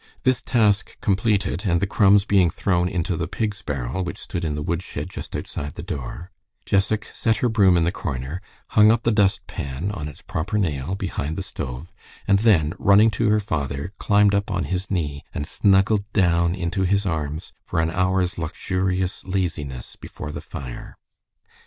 This task completed, and the crumbs being thrown into the pig's barrel which stood in the woodshed just outside the door, Jessac set her broom in the corner, hung up the dust pan on its proper nail behind the stove, and then, running to her father, climbed up on his knee and snuggled down into his arms for an hour's luxurious laziness before the fire.